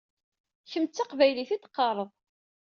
Kemm d taqbaylit i teqqaṛeɣ.